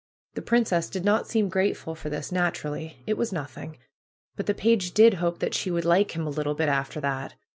The princess did not seem grateful for this, naturally. It was nothing. But the page did hope that she would like him a little bit after that.